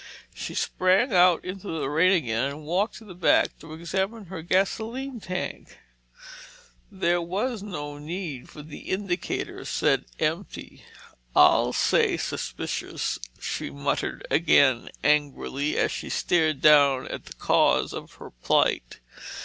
She sprang out into the rain again and walked to the back to examine her gasoline tank. There was no need, for the indicator said, "Empty." "I'll say suspicious!" she muttered again, angrily, as she stared down at the cause of her plight.